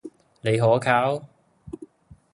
你可靠？